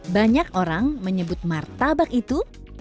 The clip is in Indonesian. banyak orang menyebut martabak itu